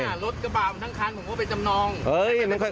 รถกระบะของทั้งคันผมก็ไปจำนอง